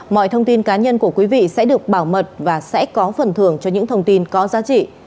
mọi thông tin cá nhân của quý vị sẽ được bảo mật và sẽ có phần thưởng cho những thông tin có giá trị